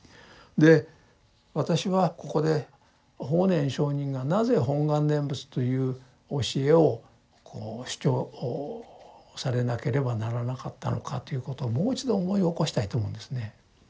で私はここで法然上人がなぜ「本願念仏」という教えを主張されなければならなかったのかということをもう一度思い起こしたいと思うんですね。